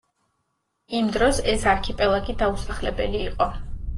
იმ დროს ეს არქიპელაგი დაუსახლებელი იყო.